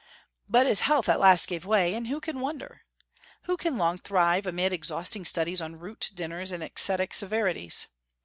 But his health at last gave way; and who can wonder? Who can long thrive amid exhausting studies on root dinners and ascetic severities?